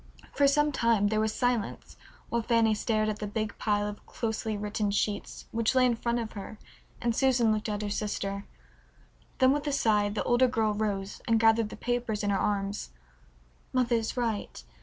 For some time there was silence while Fanny stared at the big pile of closely written sheets which lay in front of her and Susan looked at her sister. Then with a sigh the older girl rose and gathered the papers in her arms. "Mother is right.